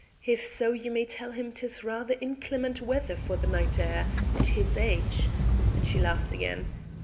If so, you may tell him 'tis rather inclement weather for the night air at his age," and she laughed again.